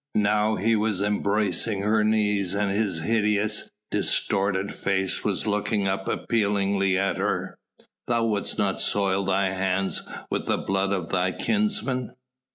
Now he was embracing her knees and his hideous, distorted face was looking up appealingly at her. "Thou wouldst not soil thy hands with the blood of thy kinsman...."